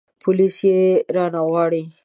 پوليس يې رانه غواړي.